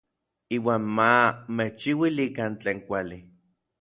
Iuan ma mechchiuilikan tlen kuali.